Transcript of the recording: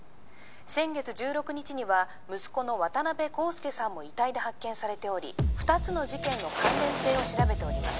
先月１６日には息子の渡辺康介さんも遺体で発見されており二つの事件の関連性を調べております